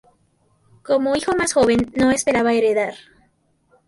Como hijo más joven, no esperaba heredar.